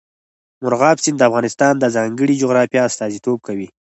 مورغاب سیند د افغانستان د ځانګړي جغرافیه استازیتوب کوي.